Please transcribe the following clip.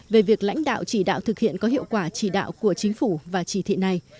về việc lãnh đạo chỉ đạo thực hiện có hiệu quả chỉ đạo của chính phủ và chỉ thị này